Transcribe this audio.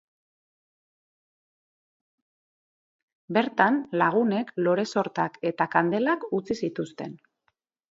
Bertan, lagunek lore-sortak eta kandelak utzi zituzten.